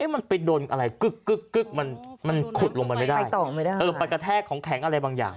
มันไปโดนอะไรกึ๊กมันขุดลงไปไม่ได้ไปกระแทกของแข็งอะไรบางอย่าง